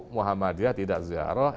muhammadiyah tidak ziarah